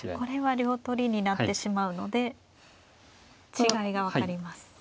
これは両取りになってしまうので違いが分かります。